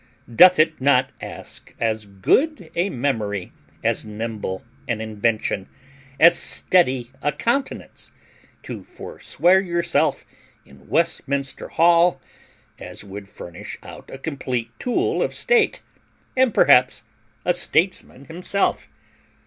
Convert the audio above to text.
Doth it not ask as good a memory, as nimble an invention, as steady a countenance, to forswear yourself in Westminster hall as would furnish out a complete tool of state, or perhaps a statesman himself?